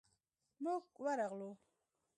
موږ ورغلو.